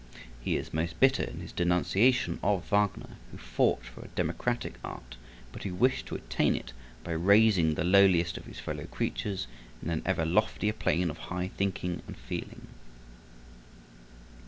He is most bitter in his denunciation of Wagner, who fought for a democratic art, but who wished to attain it by raising the lowliest of his fellow creatures to an ever loftier plane of high thinking and feeling.